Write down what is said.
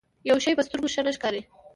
يو شی په سترګو ښه نه ښکاري.